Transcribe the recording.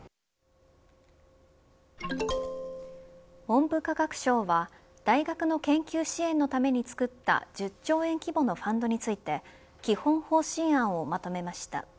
文部科学省は大学の研究支援のために作った１０兆円規模のファンドについて基本方針案をまとめました。